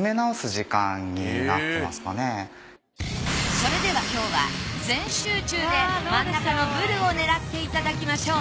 それでは今日は全集中で真ん中のブルを狙っていただきましょう。